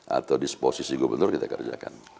atau disposisi gubernur kita kerjakan